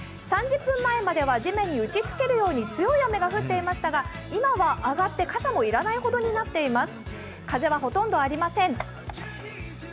３０分前までは地面に打ちつけるように強い雨が降っていましたが今はあがって傘も要らないほどになっています。